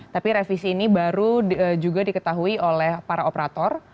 tapi revisi ini baru juga diketahui oleh para operator